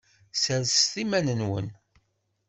Sserset iman-nwen.